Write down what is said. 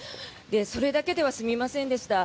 それだけでは済みませんでした。